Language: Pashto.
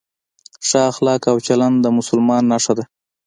ښه اخلاق او چلند د مسلمان نښه ده.